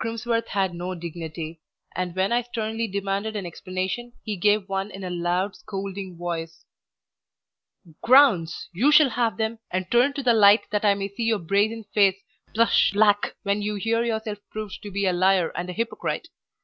Crimsworth had no dignity, and when I sternly demanded an explanation, he gave one in a loud, scolding voice. "Grounds! you shall have them; and turn to the light that I may see your brazen face blush black, when you hear yourself proved to be a liar and a hypocrite.